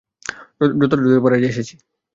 যতটা দ্রুত পারা যায়, এসেছি।